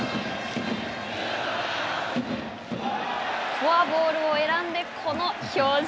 フォアボールを選んでこの表情。